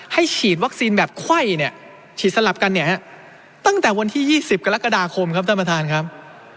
ฉีดวัคซีนแบบไข้เนี่ยฉีดสลับกันเนี่ยฮะตั้งแต่วันที่๒๐กรกฎาคมครับท่านประธานครับ